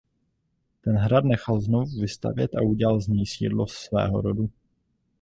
Ten hrad nechal znovu vystavět a udělal z něj sídlo svého rodu.